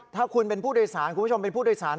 ถ้าคุณเป็นผู้โดยสารคุณผู้ชมเป็นผู้โดยสาร